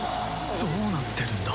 どうなってるんだ。